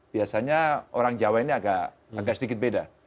biasanya orang jawa ini agak sedikit beda